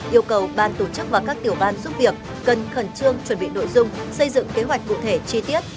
yêu cầu ban tổ chức và các tiểu ban giúp việc cần khẩn trương chuẩn bị nội dung xây dựng kế hoạch cụ thể chi tiết